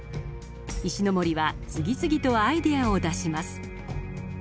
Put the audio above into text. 石森は次々とアイデアを出します。